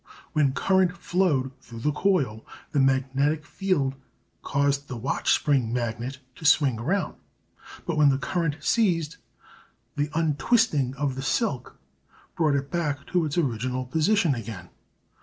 When current flowed through the coil the magnetic field caused the watch spring magnet to swing round, but when the current ceased the untwisting of the silk brought it back to its original position again.